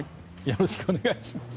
よろしくお願いします。